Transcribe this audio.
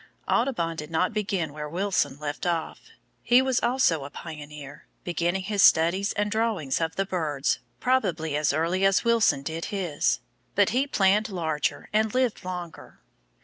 Audubon did not begin where Wilson left off. He was also a pioneer, beginning his studies and drawings of the birds probably as early as Wilson did his, but he planned larger and lived longer.